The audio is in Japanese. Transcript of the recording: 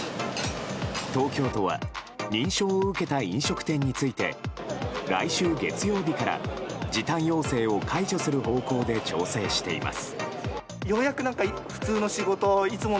東京都は認証を受けた飲食店について来週月曜日から時短要請を解除する方向で調整しています。